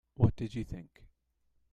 What did you think?